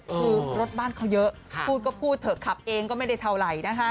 คือรถบ้านเขาเยอะพูดก็พูดเถอะขับเองก็ไม่ได้เท่าไหร่นะคะ